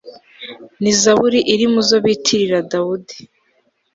ni zaburi iri mu zo bitirira dawudi